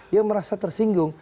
yang merasa tersinggung